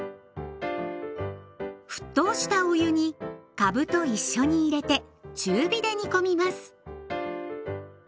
沸騰したお湯にかぶと一緒に入れて中火で煮込みます。